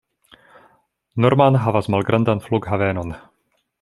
Norman havas malgrandan flughavenon.